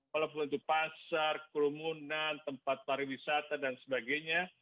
walaupun itu pasar kerumunan tempat pariwisata dan sebagainya